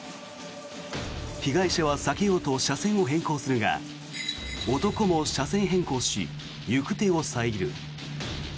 被害者は避けようと車線を変更するが男も車線変更し行く手を遮る。